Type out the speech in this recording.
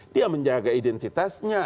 dia menjaga identitasnya